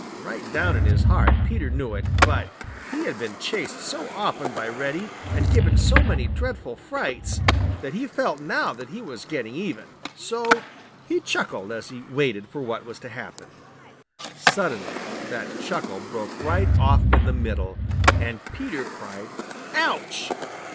Right down in his heart Peter knew it, but he had been chased so often by Reddy and given so many dreadful frights, that he felt now that he was getting even. So he chuckled as he waited for what was to happen. Suddenly that chuckle broke right off in the middle, and Peter cried "Ouch!"